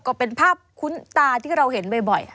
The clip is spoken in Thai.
ก็เป็นภาพคุ้นตาที่เราเห็นบ่อย